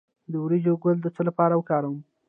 د وریجو ګل د څه لپاره وکاروم؟